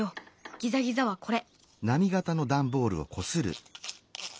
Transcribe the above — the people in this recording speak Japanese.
ギザギザはこれ。